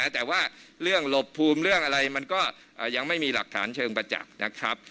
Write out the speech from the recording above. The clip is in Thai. แต่ว่าเรื่องหลบภูมิเรื่องอะไรมันก็ยังไม่มีหลักฐานเชิงประจักษ์นะครับ